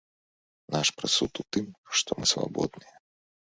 Наш прысуд у тым, што мы свабодныя.